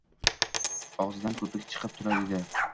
og‘zidan ko‘pik chiqib turar edi.